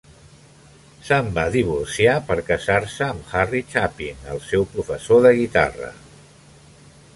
Se'n va divorciar per casar-se amb Harry Chapin, el seu professor de guitarra.